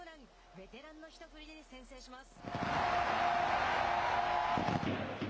ベテランの一振りで先制します。